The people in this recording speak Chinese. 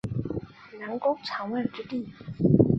南宫长万之弟。